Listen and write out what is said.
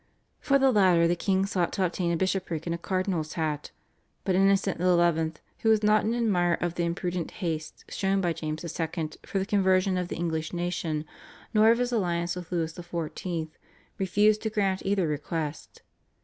For the latter the king sought to obtain a bishopric and a cardinal's hat, but Innocent XI., who was not an admirer of the imprudent haste shown by James II. for the conversion of the English nation, nor of his alliance with Louis XIV., refused to grant either request.